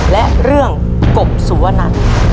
และเรื่องกบสุวนัน